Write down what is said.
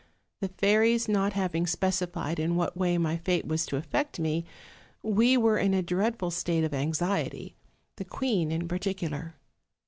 The fairies not OLD, OLD FAIRY TAI..:S. 303 having specified in what way my fate was to affect me, we were in a dreadful state of anxiety, the queen in par ticular.